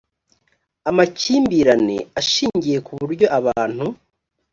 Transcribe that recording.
amakimbirane ashingiye ku buryo abantu